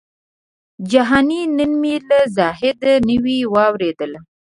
جهاني نن مي له زاهده نوې واورېدله